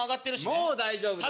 もう大丈夫です